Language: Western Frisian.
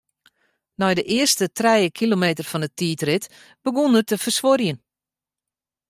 Nei de earste trije kilometer fan 'e tiidrit begûn er te fersuorjen.